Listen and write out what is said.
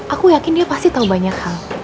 aku yakin dia pasti tahu banyak hal